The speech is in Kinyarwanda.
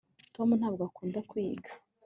tom ntabwo akunda kwiga